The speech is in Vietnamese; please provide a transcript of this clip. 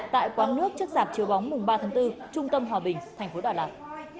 tại quán nước chức giảp chiếu bóng mùng ba tháng bốn trung tâm hòa bình tp đà lạt